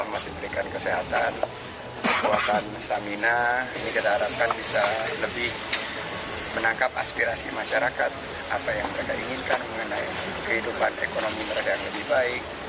masyarakat apa yang anda inginkan mengenai kehidupan ekonomi merata yang lebih baik